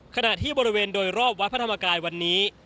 ขณะที่บริเวณโดยรอบวัดพระธรรมกายวันนี้